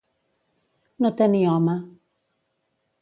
No tenir home.